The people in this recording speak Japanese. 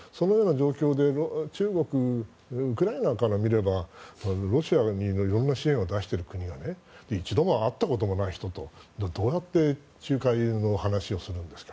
そのような状況で中国ウクライナから見ればロシアに色んな支援を出している国が一度も会ったことがない人とどうやって仲介の話をするんですか。